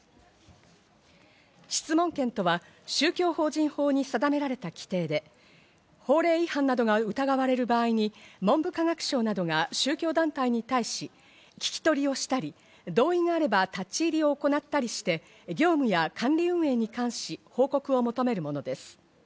質問権とは、宗教法人法に定められた規定で、法令違反などが疑われる場合に文部科学省などが宗教団体に対し、聞き取りをしたり、同意があれば立ち入りを行ったりして、業務や管理運営に関し報告を求めるものです。